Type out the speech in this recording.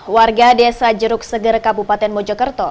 warga desa jeruk seger kabupaten mojokerto